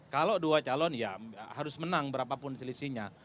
kalau dua calon ya harus menang berapapun selisihnya